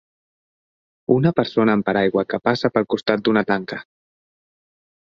Una persona amb paraigua que passa pel costat d'una tanca